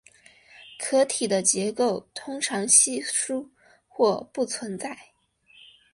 壳体的结节通常稀疏或不存在。